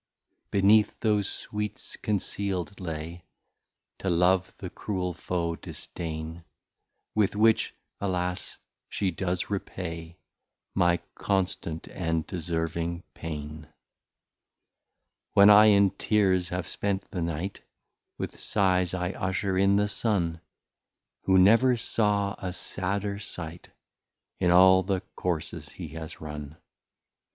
Beneath those sweets conceal'd lay, To Love the cruel Foe, Disdain, With which (alas) she does repay My Constant and Deserving Pain. When I in Tears have spent the Night, With Sighs I usher in the Sun, Who never saw a sadder sight, In all the Courses he has run.